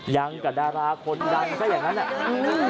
ยังกับดาราคนดังซะอย่างนั้นแหละ